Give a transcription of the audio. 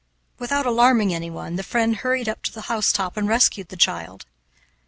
Without alarming anyone, the friend hurried up to the housetop and rescued the child.